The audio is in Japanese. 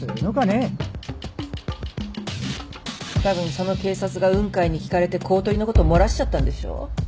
たぶんその警察が雲海に聞かれて公取のこと漏らしちゃったんでしょ。